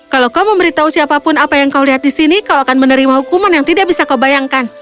kalau kau memberitahu siapapun apa yang kau lihat di sini kau akan menerima hukuman yang tidak bisa kau bayangkan